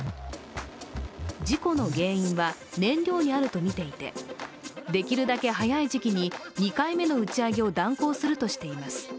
事故の原因は燃料にあるとみていて、できるだけ早い時期に２回目の打ち上げを断行するとしています。